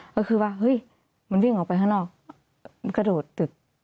ก็คือว่าเฮ้ยมันวิ่งออกไปข้างนอกมันกระโดดตึก